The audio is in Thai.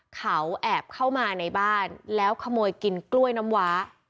เขาแอบเข้ามาในบ้านแล้วขโมยกินกล้วยน้ำว้า